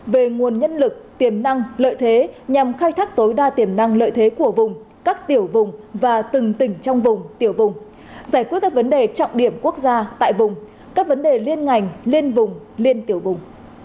về cơ chế nhằm khai thác tối đa tiềm năng lợi thế của vùng các tiểu vùng và từng tỉnh trong vùng tiểu vùng giải quyết các vấn đề trọng điểm quốc gia tại vùng các vấn đề liên ngành liên vùng liên tiểu vùng